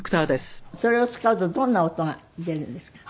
それを使うとどんな音が出るんですか？